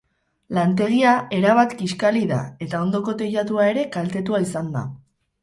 Lantegia erabat kiskali da eta ondoko teilatua ere kaltetua izan da.